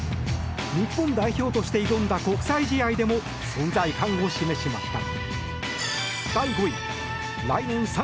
日本代表として挑んだ国際試合でも存在感を示しました。